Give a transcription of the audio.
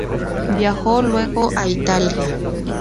Viajó luego a Italia.